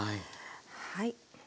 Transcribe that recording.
はい。